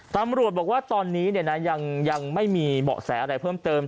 ตำรวจบอกว่าตอนนี้ยังไม่มีเบาะแสอะไรเพิ่มเติม